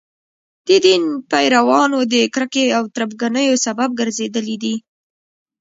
د دین پیروانو د کرکې او تربګنیو سبب ګرځېدلي دي.